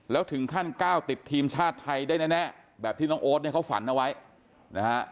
แล้วถึงขั้นก้าวติดทีมชาติไทยได้แน่แบบที่น้องโอ๊ตเนี่ยเขาฝันเอาไว้นะฮะ